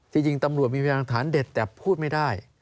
จริงตำรวจมีพยายามฐานเด็ดแต่พูดไม่ได้